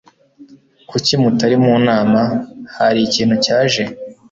"Kuki mutari mu nama?" "Hari ikintu cyaje."